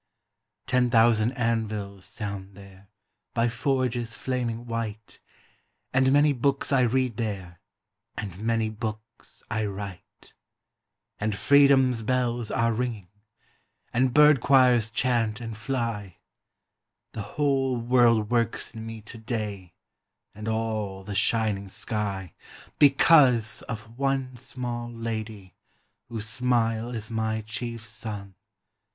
Ten thousand anvils sound there By forges flaming white, And many books I read there, And many books I write; And freedom's bells are ringing, And bird choirs chant and fly The whole world works in me to day And all the shining sky, Because of one small lady Whose smile is my chief sun.